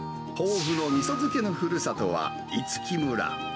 豆腐のみそ漬けのふるさとは、五木村。